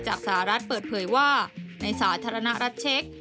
สหรัฐเปิดเผยว่าในสาธารณรัฐเช็ค